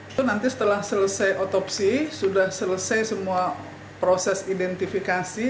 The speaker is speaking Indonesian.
itu nanti setelah selesai otopsi sudah selesai semua proses identifikasi